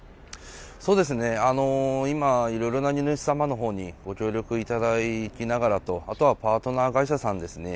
今、いろいろな荷主様のほうにご協力いただきながらと、あとはパートナー会社さんですね。